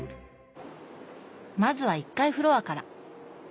まずは１階フロアから。